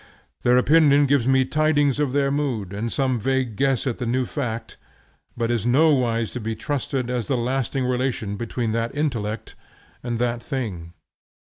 Their opinion gives me tidings of their mood, and some vague guess at the new fact, but is nowise to be trusted as the lasting relation between that intellect and that thing.